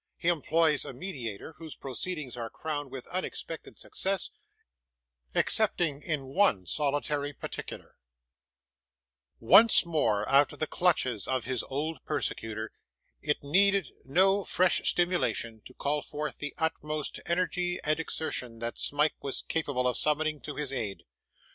He employs a Mediator, whose Proceedings are crowned with unexpected Success, excepting in one solitary Particular Once more out of the clutches of his old persecutor, it needed no fresh stimulation to call forth the utmost energy and exertion that Smike was capable of summoning to his aid.